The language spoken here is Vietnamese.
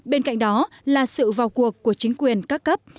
bên cạnh đó là sự vào cuộc của chính quyền các cấp